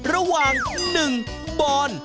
ระหว่าง๑บอน